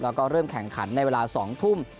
แล้วก็เริ่มแข่งขันในเวลา๒ทุ่ม